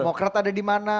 demokrat ada di mana